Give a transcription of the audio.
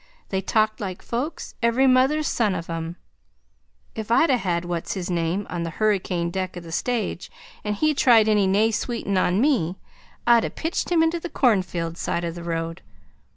They talked like folks, every mother's son of em! If I'd a' had that what's his name on the harricane deck' o' the stage and he tried any naysweetin' on me, I'd a' pitched him into the cornfield, side o' the road.